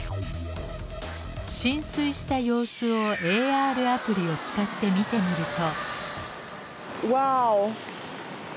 浸水した様子をＡＲアプリを使って見てみると。